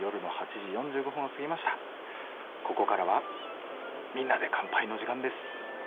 ここからはみんなで乾杯の時間です。